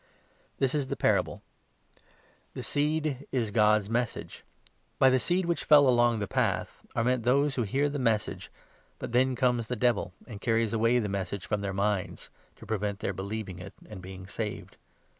This is the parable — 1 1 The seed is God's Message. By the seed which fell along the 12 path are meant those who hear the Message ; but then comes the Devil and carries away the Message from their minds, to prevent their believing it and being saved.